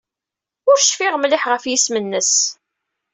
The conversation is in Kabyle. Ur cfiɣ mliḥ ɣef yisem-nnes.